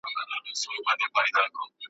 پر ملا دي کړوپ کړم زمانه خوار سې ,